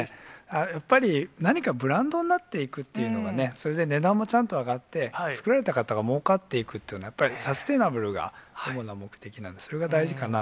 やっぱり、何かブランドになっていくっていうのがね、それで値段もちゃんと上がって、作られた方がもうかっていくというのは、やっぱりサステナブルが主な目的なんで、それが大事かな